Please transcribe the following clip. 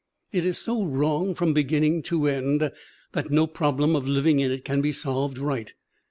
It is so wrong from beginning to end that no problem of living in it can be solved right.